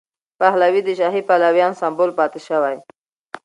پهلوي د شاهي پلویانو سمبول پاتې شوی.